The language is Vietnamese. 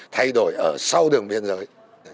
thay đổi ở sau đường miên giới